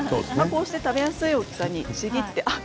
食べやすい大きさにちぎってください。